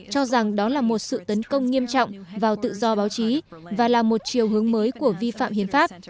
cho rằng đó là một sự tấn công nghiêm trọng vào tự do báo chí và là một chiều hướng mới của vi phạm hiến pháp